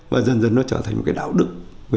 và dần dần nó trở thành một cái đạo đức